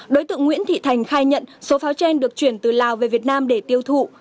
đối tượng nguyễn thị thành khai nhận số pháo trên được chuyển từ lào về việt nam để tiêu thụ